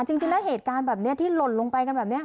จริงแล้วเหตุการณ์แบบนี้ที่หล่นลงไปกันแบบนี้